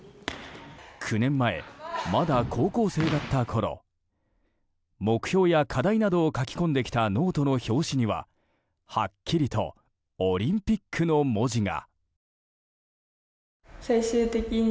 ９年前、まだ高校生だったころ目標や課題などを書き込んできたノートの表紙にははっきりと「オリンピック」の文字が。